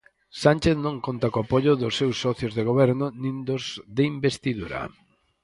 Sánchez non conta co apoio dos seus socios de goberno nin dos de investidura.